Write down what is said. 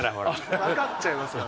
わかっちゃいますよね。